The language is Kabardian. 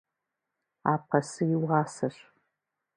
Апэсы и уасэщ.